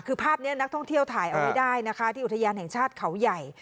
คือภาพนี้นักท่องเที่ยวถ่ายเอาไว้ได้นะคะที่อุทยานแห่งชาติเขาใหญ่